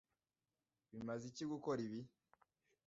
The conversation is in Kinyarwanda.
Bimaze iki gukora ibi?